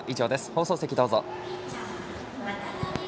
放送席どうぞ。